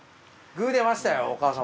グー出ましたよお母様。